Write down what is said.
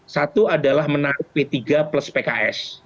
satu adalah menarik p tiga plus pks